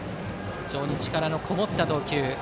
非常に力のこもった投球。